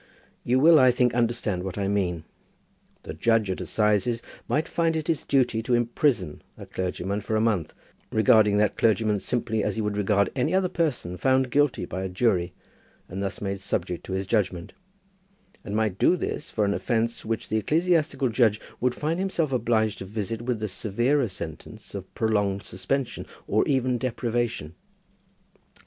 You will, I think, understand what I mean. The judge at assizes might find it his duty to imprison a clergyman for a month, regarding that clergyman simply as he would regard any other person found guilty by a jury and thus made subject to his judgment, and might do this for an offence which the ecclesiastical judge would find himself obliged to visit with the severer sentence of prolonged suspension, or even with deprivation.